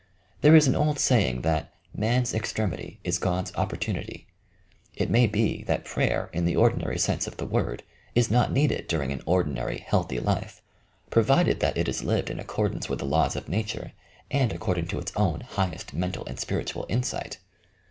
There is an old saying that "Man's extremity is God's opportunity," It may be that prayer, in the ordinary sense of the word, is not needed during an ordinary healthy life, provided that it is lived in accordance wifh the laws of nature and ac cording to its own highest mental and spiritual insight.